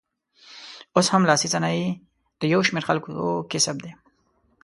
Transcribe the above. اوس هم لاسي صنایع د یو شمېر خلکو کسب دی.